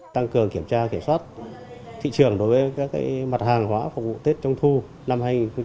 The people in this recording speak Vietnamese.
tăng cường kiểm tra kiểm soát thị trường đối với các mặt hàng hóa phục vụ tết trung thu năm hai nghìn hai mươi